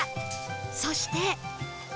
そして